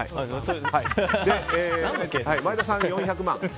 前田さんが４００万。